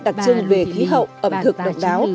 đặc trưng về khí hậu ẩm thực độc đáo